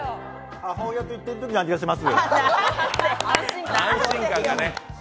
母親と行ってるときの味がします。